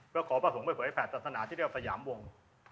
เพื่อขอประสงค์ให้เผยแผดศาสนาที่เรียกว่าสยามวง